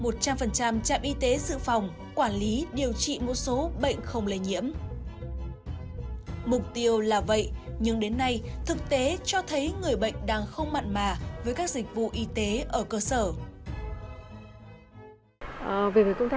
một trăm linh trạm y tế dự phòng quản lý điều trị một số bệnh không lây nhiễm